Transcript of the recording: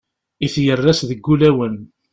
I tyerras deg ulawen.